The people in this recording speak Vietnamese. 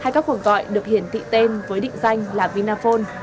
hay các cuộc gọi được hiển thị tên với định danh là vinaphone